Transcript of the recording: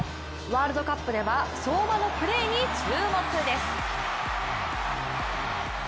ワールドカップでは相馬のプレーに注目です。